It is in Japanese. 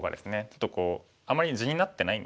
ちょっとこうあんまり地になってないんですよね。